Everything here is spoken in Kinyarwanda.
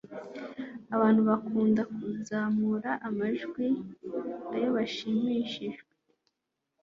Abantu bakunda kuzamura amajwi iyo bashimishijwe